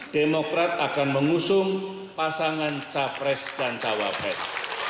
demokrat akan mengusung pasangan capres dan cawapres